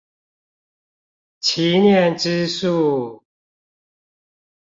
祈念之樹